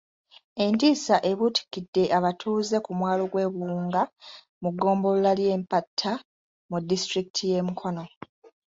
Entiisa ebuutikidde abatuuze ku mwalo gw'e Buwunga mu ggombolola y'eMpatta mu disitulikiti ye Mukono.